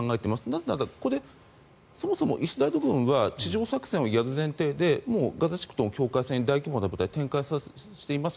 なぜなら、これはそもそもイスラエル軍は地上作戦をやる前提でもうガザ地区との境界線大規模な部隊展開させています。